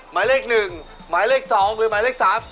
ไม่ใช่ครับ